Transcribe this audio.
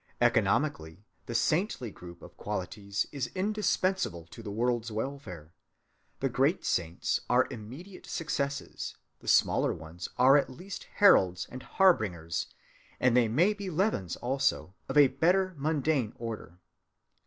Economically, the saintly group of qualities is indispensable to the world's welfare. The great saints are immediate successes; the smaller ones are at least heralds and harbingers, and they may be leavens also, of a better mundane order.